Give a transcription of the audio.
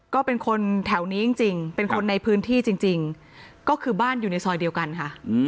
ก็เป็นคนแถวนี้จริงเป็นคนในพื้นที่จริงก็คือบ้านอยู่ในซอยเดียวกันค่ะ